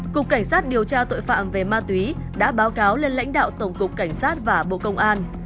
cục cảnh sát điều tra tội phạm về ma túy đã báo cáo lên lãnh đạo tổng cục cảnh sát và bộ công an